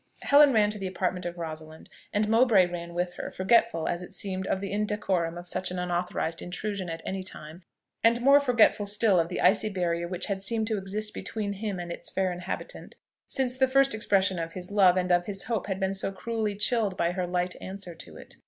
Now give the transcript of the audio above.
Helen ran to the apartment of Rosalind; and Mowbray ran with her, forgetful, as it seemed, of the indecorum of such an unauthorized intrusion at any time, and more forgetful still of the icy barrier which had seemed to exist between him and its fair inhabitant since the first expression of his love and of his hope had been so cruelly chilled by her light answer to it.